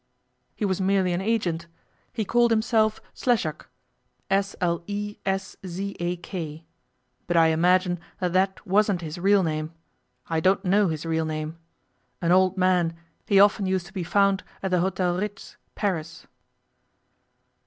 'He was merely an agent. He called himself Sleszak S l e s z a k. But I imagine that that wasn't his real name. I don't know his real name. An old man, he often used to be found at the Hôtel Ritz, Paris.